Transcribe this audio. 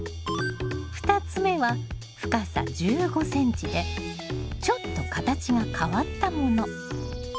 ２つ目は深さ１５ｃｍでちょっと形が変わったもの。